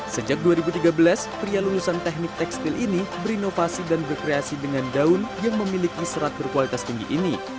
sejak dua ribu tiga belas pria lulusan teknik tekstil ini berinovasi dan berkreasi dengan daun yang memiliki serat berkualitas tinggi ini